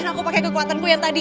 aku pakai kekuatanku yang tadi